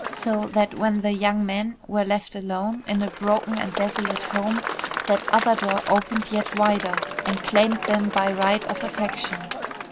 So that when the young men were left alone, in a broken and desolate home, that other door opened yet wider, and claimed them by right of affection.